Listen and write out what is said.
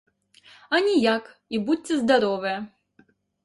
А ніяк, і будзьце здаровыя.